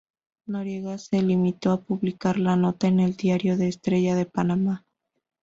Noriega se limitó a publicar la nota en el Diario La Estrella de Panamá.